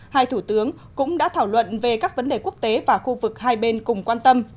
hai thủ tướng cũng đã thảo luận về các vấn đề quốc tế và khu vực hai bên cùng quan tâm